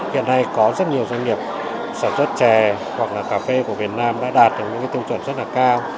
hiện nay có rất nhiều doanh nghiệp sản xuất chè hoặc là cà phê của việt nam đã đạt được những tiêu chuẩn rất là cao